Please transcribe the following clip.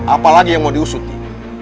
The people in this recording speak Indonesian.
apalagi yang mau diusuti